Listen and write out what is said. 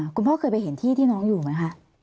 คุณพ่อเคยไปเห็นที่ที่น้องอยู่ไหมคะ